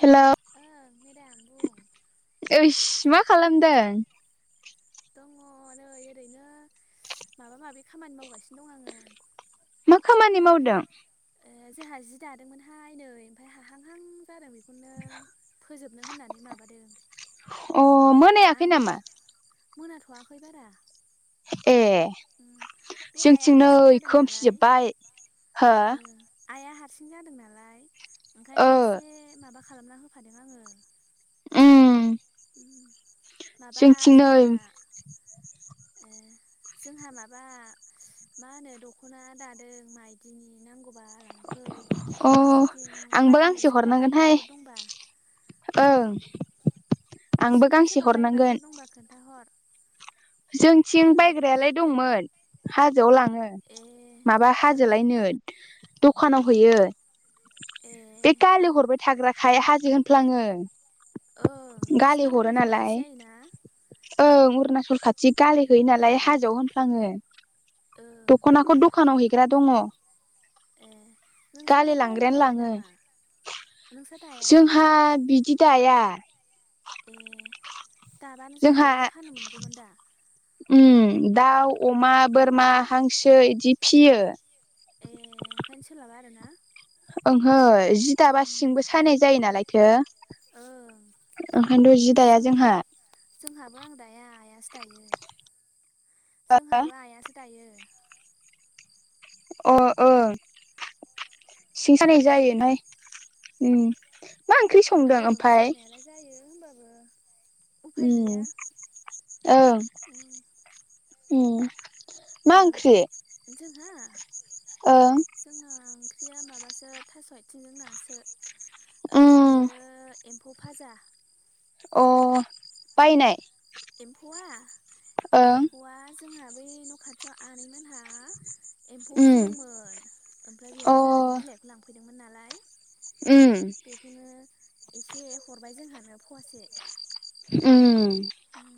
Hello ओं madam बुं ओइस मा खालामदों। दङ नै ओरैनो माबा माबि खामानि मावगासिनो दं आङो मा खामानि मावदों। जोंहा जि दादोंमोनहाय नै ओमफ्राय हाहांहां जादों बे। [inaudible] फोजोबनो होननानै माबादों। अ मोनायाखै नामा। मोनाथ'आखै बारा। ए उम बे आइआ जोंथिंनै हारसिं जादों नालाय खोमफिजोबबाय हो। ओ आइआ हारसिं जादों नालाय ओ ओंखायनो एसे माबा खालामना होफादों आङो। उम उम माबा जोंथिं नै जोंहा ओ [inaudible] जोंहा माबा मा होनो दखना दादों माइदिनि नांगौ बा लांफै अ नोंसिनिथिं आंबो बायनो गांसे सोरबा हरनांगोनहाय बायग्राफोर दंबा ओं आंबो नोंसिनिथिं गांसे सोरबा बायग्राफोर हरनांगोन दंबा खोनथाहर जोंथिं बायग्रायालाय दंमोन हाज जोआव लाङो ए माबा ओं हाजोलायनो दखानाव हैयो ए बे खालु हरबाय थाग्राखाय हाजो होनफ्लाङो ओं गालि नोंसिना हरो अरुणाचल खाथि नालाय जायोना ओं अरुणाचल खाथि गाललि होयो ए नालाय हाजोआव होनफ्लाङो ओं दखनाखौ दखानाव हैग्रा दङ ए नोंसालाय गालि लांग्रायानो दाया लाङो नामा नोंस्रा दाया जोंहा बिदि दाया ए दाबानो जोंहा जायो फाननो मोनगौमोन दा उम दाउ, अमा, बोरमा, उम हांसो, इदि फियो ए ओंखाय सोलाबा आरो ना ओंहो जि दाबा सिंबो सानाय जायो नालायथो ओं ओंखायनोथ' जि दाया जों जोंहा जोंहाबो आं दाया आइयासो दायो जोंहाबो आइयासो दायो अ ओं सिं सानाय जायो ओं हायो ओं औ जानायालाय जायो होमबाबो उफाय गैया उम औ उम ओं मा जोंहा ओं जोंना ओंख्रिया माबा ओ थास आथिंजों नासो उम ओमफ्रायो एम्फौ भाजा अ बायनाय एम्फौआ ओं एम्फौआ जोंहा बै न' खाथियाव आनैमोनहा एम्फौ उम फिदोंमोन ओमफ्राय अ बेयाव जोंहानि बिलाइखौ लांफैदोंमोन नालाय उम बेखौनो एसे हरबाय जोंहानो फवासे उम उम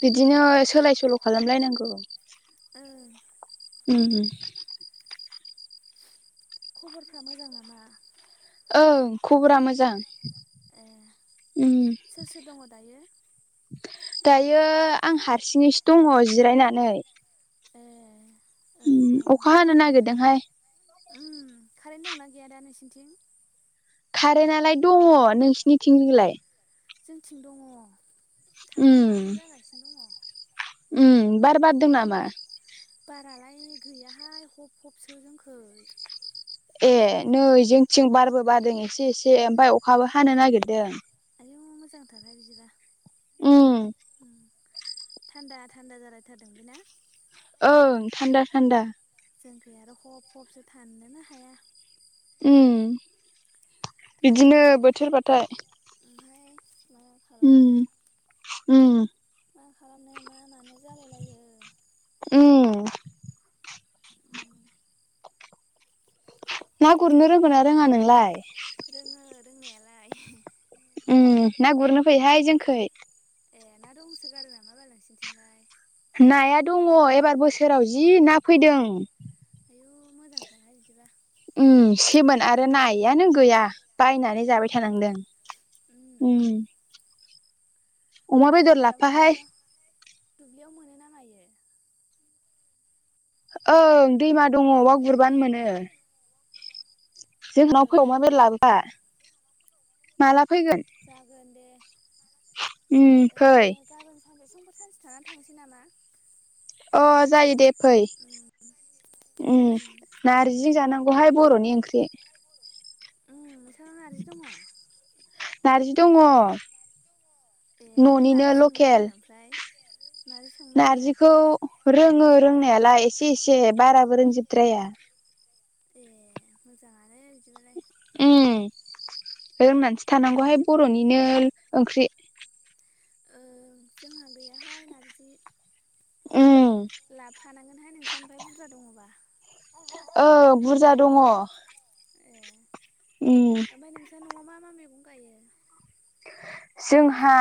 बिदिनो सोलाय सोल खालामलायनांगौ ओं उम उम खबरफ्रा मोजां नामा ओं खबरा मोजां ए सोर सोर दङ दायो दायो आं हारसिङैसो दङ जिरायनानै ए ओं अखा हानो नागेरदोंहाय उम्म कारेन्ट दंना गैया दा नोंसिनिथिं कारेन्टलाय दङ नोंसिनिथिंजोलाय जोंथिं दङ थांहां माहां जागासिनो दङ उ बार बारदों नामा बारालाय गैयाहाय हब हबसो जोंखै ए नै जोंथिं बारबो बादों एसे एसे ओमफाय अखाबो हानो नागेरदों आयौ मोजांथारहाय बिदिबा उम उम थान्दा - थान्दा जालायथारदों बे ना ओं थान्दा - थान्दा जोंखै आरो हब हबसो थाननोनो हाया हम बिदिनो बोथोरबाथाय ओमफ्राय मा खालामनो उम उम मा खालामनो मा मानो जालायलायो उम उम ना गुरनो रोंगोन ना रोङा नोंलाय रोङो रोंनायालाय उम ना गुरनो फैहाय जोंखै ए ना दंसो गारो नामा बाल नोंसिनिथिंलाय? नाया दङ एबार बोसोराव जि ना फैदों। आयु मोजांथारहाय बिदिबा। उम सेमोन आरो नायानो गैया। बायनानै जाबाय आयै थानांदों उम। अमा ना बेदर अबेयाव लाबफा हाय ‌‌। दुब्लियाव दुब्लियाव मोनो ना मायो? ओं दैमा दङवाव गुरबानो मोनो। जोंहनाव फै ओं अमा बेर ओं लाबोफा माला। फैगोन जागोन दे उम ओ फै गाबोन सानसे फांफोर सानसे थानानै थांनोसै नामा? अ जायो दे फै। उम उम नारजि जानांगौहाय बर'नि ओंख्रि। उम नोंसांनाव नारजि दङ? नारजि दङ ए नों न'निनो नारजि संनो लकेल। रोङो ओमफ्राय नारजि संनो रोङो नारजिखौ रोङो रोंनायालाय एसे एसे बाराबो रोंजोबद्राया। ए मोजाङानो बिदिबालाय। उम रोंनानैसो थानांगौहाय बर'निनो ओंख्रि। ओ जोंहा गैयाहाय नारजि उम लाफा थानांगोनहाय नोंसानिफ्राय बुरजा दङबा। औ बुरजा दङ ‌। उम। नोंसा न'आव मा मा मैगं गायो? जोंहा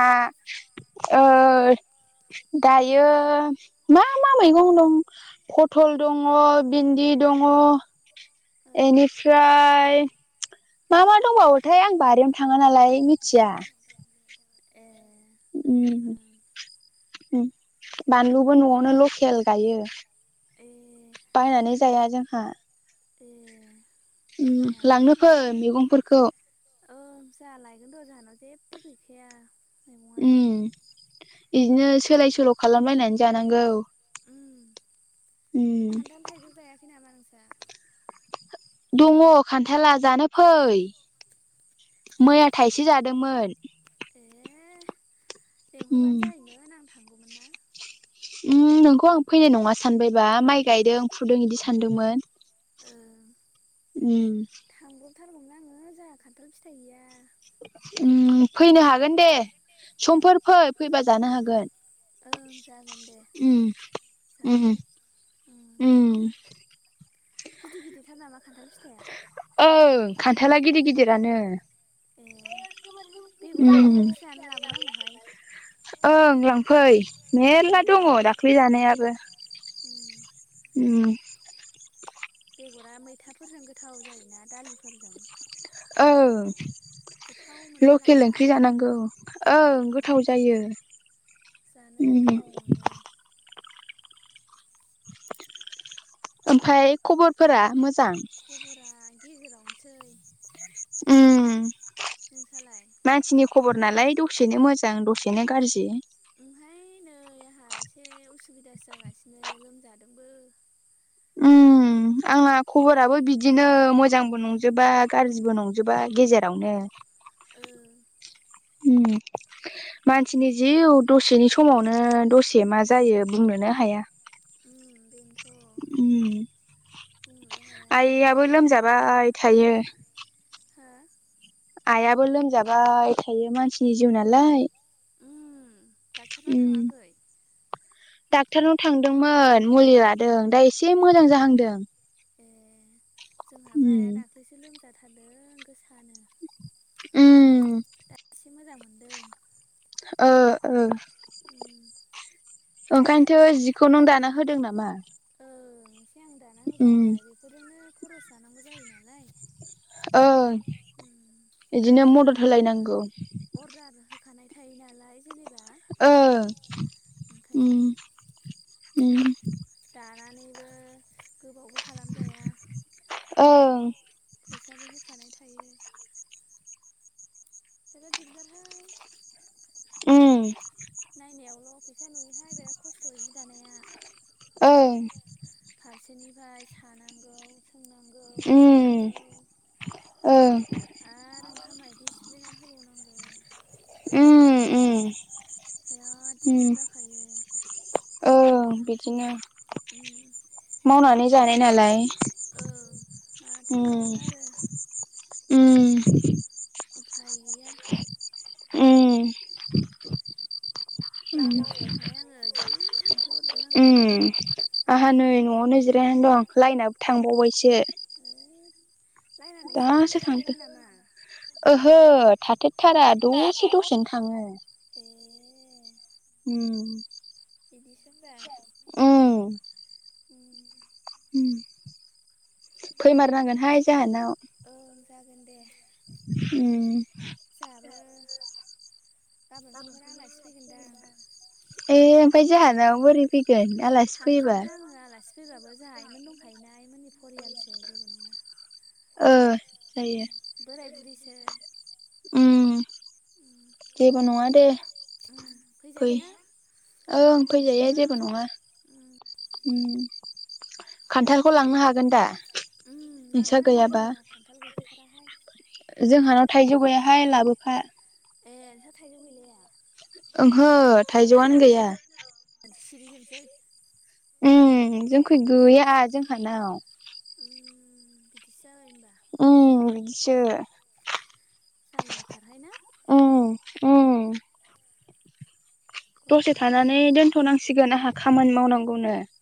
ओ दायो मा मा मैगं दं पथल दङ बिन्दि दङ ओं एनिफ्राय मा मा दंबावोथाय आं बारियावनो थाङा नालाय मिथिया। ए ओं उम। ओं उम बानलुबो न'आवनो लकेल गायो। ए बायनानै जाया जोंहा। ए उम मोजाङानोहाय लांनो फै मैगंफोरखौ। ओ जाहा लायगोन र जाहानाव जेबो गैखाया। मैगंआनो उम इदिनो सोलाय सोल' खालामलायनानै जानांगौ ‌। उम खान्थाल थाइजौ जायाखै नामा नोंसा? दङ खान्थाला जानो फै। मैया थाइसे जादोमोन। ए उम लिंहरबानो जायोमोन आं थांगौमोन ना। उम नोंखौ आं फैनाय नङा सानबायबा माइ गायदों फुदों इदि सानदोंमोन। ओं उम। थारगौमोन आङो जा खाथाल फिथाइ गैया। उम फैनो हागोन दे समफोर फै फैबा जानो हागोन। ओं जागोन दे ओम ओम। जागोन उम ओम। गिदिर गिदिरथार नामा खान्थाल फिथाइआ? आनो ए बेगरखौ ओंख्रि जानो लाबोनांगौहाय। ओं लांफै मेर्ला उम दङ दाख्लै जानायाबो। उम ओम। बेगरा मैथाफोरजों गोथाव जायोना दालिफोरजों? ओं गोथाव मोनलाय लकेल लाङो ओंख्रि आंहा जानांगौ ओं गोथाव जायो। जानो उम गोथाव मोनो। ओमफाय खबरफोरा मोजां। खबरा गेजेरावनोसै। ओम नोंसालाय मानसिनि खबर नोंनालाय नालाय दसेनो मोजां दसे -नो गारजि। ओमहाय नै आहा एसे उसुबिदासो जागासिनो लोमजादोंबो। ओम आंहा खबराबो बिदिनो मोजांबो नंजोबा गाज्रिबो नंजोबा गेजेरावनो। ओ उम मानसिनि जिउ दसेनि समावनो दसे मा जायो बुंनोनो हाया। ओम बेनोथ' उम बुंनोबो हाया मा आइयाबो जायो मा मायो लोमजाबाय थायो। हो आइयाबो लोमजाबाय थायो मानसिनि जिउ नालाय। उम डाक्टारनाव उम थाङाखै? डाक्टारनाव थांदोंमोन मुलि लादों दा एसे मोजां जाहांदों। ए जोंहाबो आइया उम दाख्लैसो लोमजाथारदों गोसा नो उम दा एसे मोजां मोन ओ ओ उम ओंखायनोथ' जिखौ नों दाना होदों नामा? ओं एसे आं दाना उम होबाय बेफोरजोंनो खरस जानांगौ जायो नालाय। ओं उम आरो बिदिनो मदद होलायनांगौ। खानाय थायो नालाय जेनेबा ओं ओंखायनो उम उम दानानैबो गोबावबो खालामजाया ओं फैसाबो होखानाय था बिराद दिगदार हाय। उम नायनायावल' फैसा नुयोहाय बिराद खस्थ' जि दानाया। ओं। फारसेनिफाय सानांगौ सोंनांगौ। उम दानांगौ ओं आरो ओंखाम मायदि सिप्लिना होबावनांगौ। उम उम बिराद उम दिगदार जाखायो ओं बिदिनो। उम मावनानै जानाय नालाय। ओं माथो उम होनबावनो आरो। उम उफाय गैया। उम उम लामायावसो दंहाय आङो जि थाम्फै अर उम आंहा नै न'आवनो जिरायनानै दं लाइनाबो थांबावबायसो। ओद लाइना नोंसिनिथिं दासो थांदों थाथेरा नामा? ओहो थाथेरथारा दसे दसेनो थाङो। ए उम। बिदिसो ओमबा। उम उम फैमारनांगोनहाय जाहानाव। ओं जागोन दे। उम [unintelligible] [unintelligible] जोंहाबो गाबोन समफोर आलासि फैगोनदां ए ओमफाय जाहानाव बोरै फैगोन आलासि फैयोबा थांगोन आङो आलासि फैबाबो जाहा आइमोन दंखायोना आइमोननि फरियालसो जेबो नङा ओ जायो बोराय बुरि सो उम जेबो नङा दे। उम फै फैजायोना ओं फैजायो जेबो नङा। उम उम खान्थालखौ लांनो हागोन दा? उम नोंस्रा लाङो आङो गैयाबा जाहा खान्थाल गैथाराहाय जोंहानाव थाइजौ गैयाहाय लाबोफा ए नोंसा थाइजौ गैलाया उम ओंहो थाइजौआनो गैया। सिरिजोबसै ओम जोंखै गैया जोंहानाव उम बिदिसो जाबाय होमबा उम बिदिसो जाललाथारहाय ना उम उम दसे घटनायानो थानानै दोनथ'नांसिगोन आहा खामानि मावनां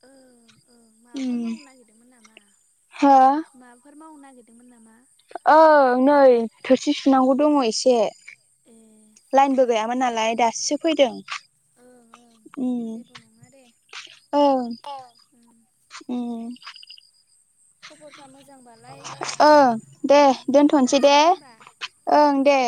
ओं ओं माबाफोर मावनो नागिरदोंमोन नामा हो माबाफोर मावनो ना [unintelligible] दोंमोन नामा? ओं नै थोरसि सुनांगौ दङ' एसे ए लाइनबो जागोन गैयामोन नालाय दाससो फैदों। ओं ओं उमम जेबो नङा दे ओं उम उम खबरफ्रा मोजांबालाय [unintelligible] दे उम दोनथ' दोनथ'नोसै दे जासिगोन होनबा ओं दे।